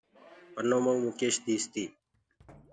پنو ميوُ مُڪيش ديس تي۔